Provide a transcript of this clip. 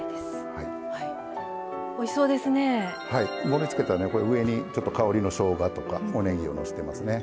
盛りつけたねこの上にちょっと香りのしょうがとかおねぎをのせてますね。